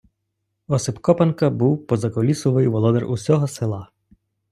Осип Копанка був позакулісовий володар усього села.